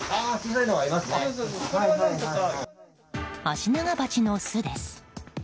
アシナガバチの巣です。